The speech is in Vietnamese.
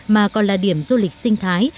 mà còn là điểm du lịch sinh thái